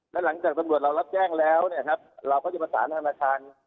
และหลังจากตำรวจเรารับแจ้งแล้วเนี่ยครับเราก็จะประสานธนาคาร